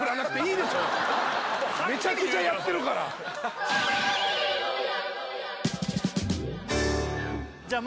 めちゃくちゃやってるからじゃあ